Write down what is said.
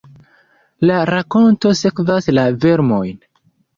La rakonto sekvas la vermojn.